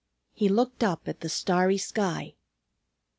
He looked up at the starry sky.